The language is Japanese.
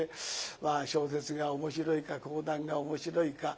まあ小説が面白いか講談が面白いか